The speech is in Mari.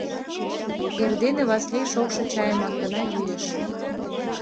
Эрдене Васли шокшо чайымак гына йӱэш.